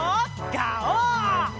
ガオー！